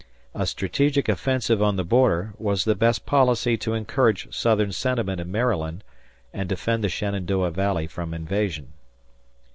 A strategic offensive on the border was the best policy to encourage Southern sentiment in Maryland and defend the Shenandoah Valley from invasion.